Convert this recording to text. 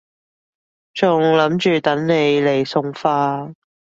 仲諗住等你嚟送花